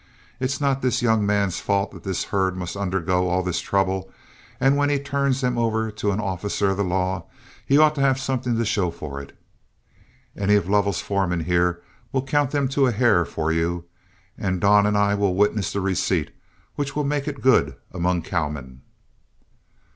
It's not this young man's fault that his herd must undergo all this trouble, and when he turns them over to an officer of the law he ought to have something to show for it. Any of Lovell's foremen here will count them to a hair for you, and Don and I will witness the receipt, which will make it good among cowmen."